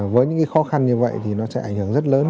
với những khó khăn như vậy thì nó sẽ ảnh hưởng rất lớn